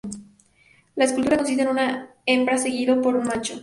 La escultura consiste en una hembra seguido por un macho.